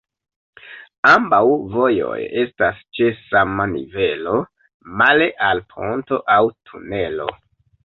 Ambaŭ vojoj estas ĉe sama nivelo, male al ponto aŭ tunelo.